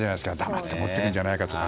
黙って持っていくんじゃないかとか。